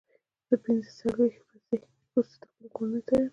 زه پنځه څلوېښت ورځې وروسته د خپلې کورنۍ سره یم.